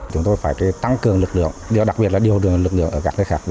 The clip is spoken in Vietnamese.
chúng tôi phải tăng cường lực lượng và đặc biệt là điều lực lượng ở các nơi khác